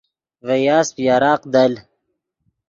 ڤے یاسپ یراق دل